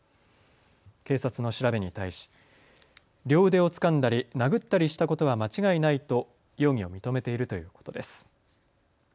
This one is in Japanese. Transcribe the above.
警察の調べに対し両腕をつかんだり殴ったりしたことは間違いないと容疑を認めているということです。